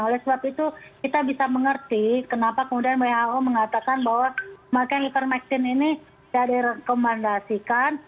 oleh sebab itu kita bisa mengerti kenapa kemudian who mengatakan bahwa pakai livermectin ini tidak direkomendasikan